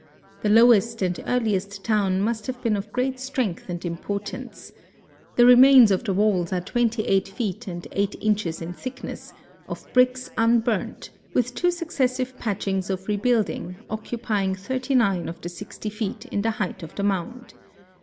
The lowest and earliest town must have been of great strength and importance. The remains of the walls are twenty eight feet and eight inches in thickness, of bricks unburnt, with two successive patchings of rebuilding occupying thirty nine of the sixty feet in the height of the mound.